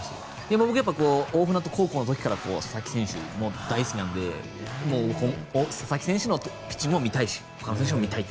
僕、大船渡高校の時から佐々木選手、大好きなので佐々木選手のピッチングを見たいし、ほかの選手も見たい。